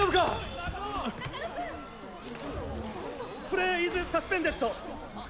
・プレーイズサスペンデッド。